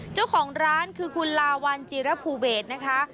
เจ้าของร้านคือคุณลาวัลจีรภูเบศนะคะ